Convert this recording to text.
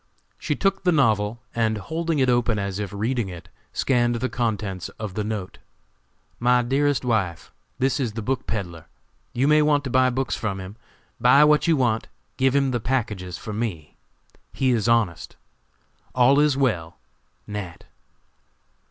She took the novel, and, holding it open as if reading it, scanned the contents of the note: "MY DEAREST WIFE: This is the book peddler. You will want to buy books from him. Buy what you want. Give him the packages for me. He is honest. "All is well. NAT."